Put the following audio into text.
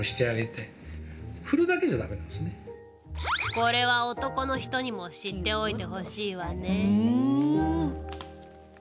これは男の人にも知っておいてほしいわね。